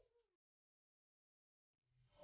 berdiri di sini